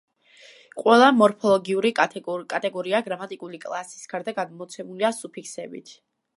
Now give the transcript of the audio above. ყველა მორფოლოგიური კატეგორია, გრამატიკული კლასის გარდა, გადმოცემულია სუფიქსებით.